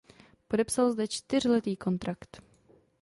Podepsal zde čtyřletý kontrakt.